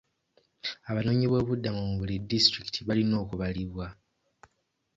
Abanoonyi b'obubuddamu mu buli disitulikiti balina okubalibwa.